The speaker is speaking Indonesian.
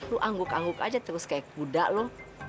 lu angguk angguk aja terus kayak kuda lu